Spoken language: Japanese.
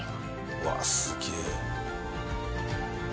うわあすげえ。